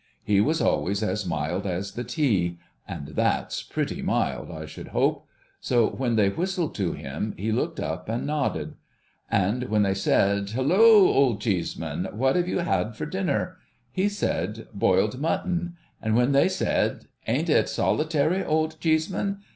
He was always as mild as the tea — and thafs i)retty mild, I should hope !— so v. hen they whistled to him, he looked up and nodded ; and when they said, ' Halloa, Old Cheeseman, what have you had for dinner ?' he said, ' Boiled mutton ;' and when they said, ' An't it solitary. Old Cheeseman